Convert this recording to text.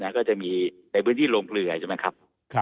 ก็จะมีในพื้นที่โรงเกลือใช่ไหมครับ